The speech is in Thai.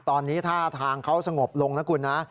ตอนนี้ท่าทางเขาสงบลงนะคุณนะ